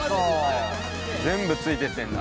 全部ついてってんだ。